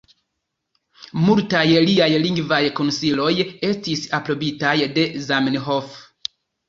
Multaj liaj lingvaj konsiloj estis aprobitaj de Zamenhof.